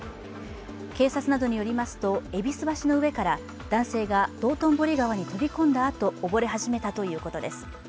警察などによりますと戎橋の上から男性が道頓堀川に飛び込んだあとおぼれ始めたということです。